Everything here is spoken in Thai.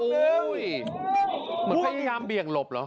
เหมือนพยายามเบี่ยงหลบเหรอ